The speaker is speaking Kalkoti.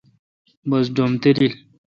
بس ڈوم تلیل ۔